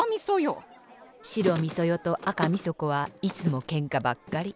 白みそ代と赤みそ子はいつもけんかばっかり。